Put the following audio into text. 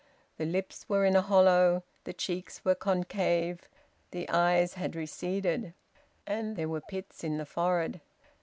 The lips were in a hollow; the cheeks were concave; the eyes had receded; and there were pits in the forehead.